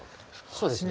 そうですね。